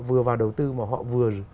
họ vừa vào đầu tư mà họ vừa